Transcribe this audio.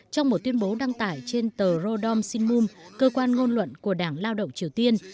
trong một tuyên bố đăng tải trên tờ rodom sinmum cơ quan ngôn luận của đảng lao động triều tiên